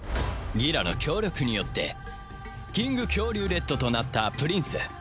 ギラの協力によってキングキョウリュウレッドとなったプリンス